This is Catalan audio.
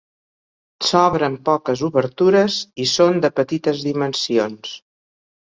S'obren poques obertures i són de petites dimensions.